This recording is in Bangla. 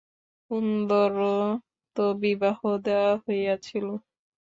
কুন্দরও তো বিবাহ দেওয়া হইয়াছিল।